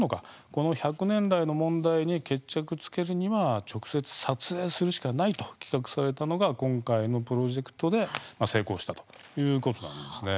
この１００年来の問題に決着つけるには直接、撮影するしかないと企画されたのが今回のプロジェクトで成功したということなんです。